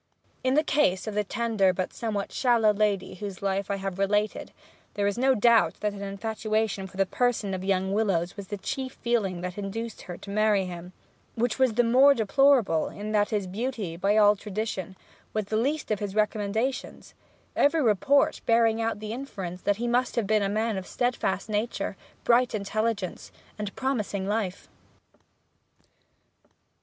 In the case of the tender but somewhat shallow lady whose life I have related, there is no doubt that an infatuation for the person of young Willowes was the chief feeling that induced her to marry him; which was the more deplorable in that his beauty, by all tradition, was the least of his recommendations, every report bearing out the inference that he must have been a man of steadfast nature, bright intelligence, and promising life.